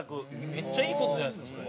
めっちゃいい事じゃないですかそれ。